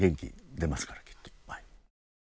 元気出ますからきっと。